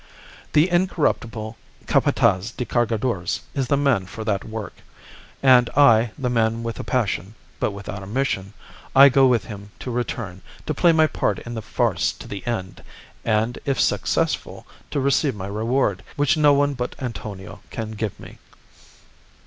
"The incorruptible Capataz de Cargadores is the man for that work; and I, the man with a passion, but without a mission, I go with him to return to play my part in the farce to the end, and, if successful, to receive my reward, which no one but Antonia can give me.